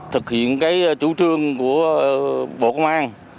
thực hiện cái chủ trương của bộ công an